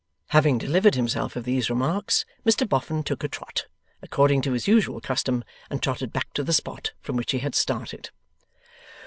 Having delivered himself of these remarks, Mr Boffin took a trot, according to his usual custom, and trotted back to the spot from which he had started.